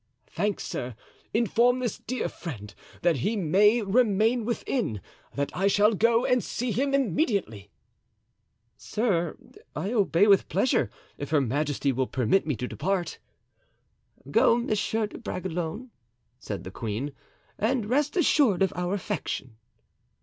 "Thanks, sir. Inform this dear friend that he may remain within, that I shall go and see him immediately." "Sir, I obey with pleasure, if her majesty will permit me to depart." "Go, Monsieur de Bragelonne," said the queen, "and rest assured of our affection."